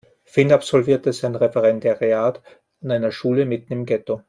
Finn absolviert sein Referendariat an einer Schule mitten im Ghetto.